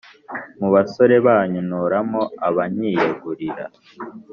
mu basore banyu ntoramo abanyiyegurira,